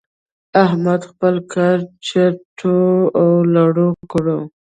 احمد خپل کار چټو او لړو کړ.